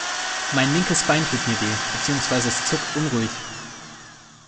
Mein linkes Bein tut mir weh, beziehungsweise es zuckt unruhig.